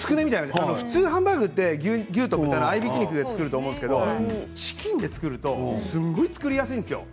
普通ハンバーグは牛と豚の合いびきで作るんですがチキンで作るとすごい作りやすいんですよ。